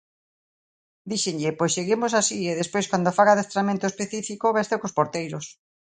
Díxenlle pois seguimos así e despois cando faga adestramento específico veste cos porteiros.